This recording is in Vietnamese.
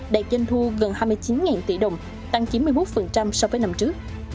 đạt doanh thu gần hai mươi chín tỷ đồng tăng chín mươi một so với năm trước